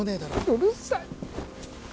うるさい